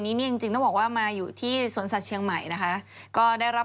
มันของเหมาะออกส่าห์ติดแยกกว่านะ